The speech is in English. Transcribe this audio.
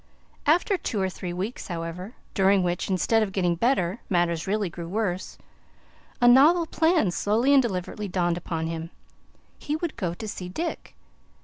After two or three weeks, however, during which, instead of getting better, matters really grew worse, a novel plan slowly and deliberately dawned upon him. He would go to see Dick.